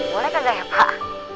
boleh nggak ya pak